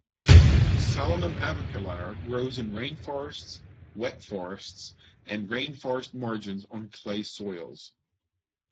"Solanum aviculare" grows in rainforests, wet forests and rainforest margins on clay soils.